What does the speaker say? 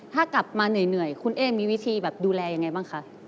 ถ้ากลับมาเหนื่อยคุณเอ๊มีวิธีแบบดูแลยังไงบ้างคะ